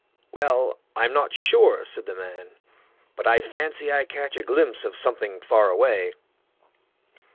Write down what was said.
"Well! I'm not sure", said the man; "but I fancy I catch a glimpse of something far away."